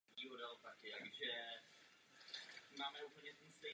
Skutečným problémem nebylo nedostatečné teoretické uchopení problému, ale neplnění závazků.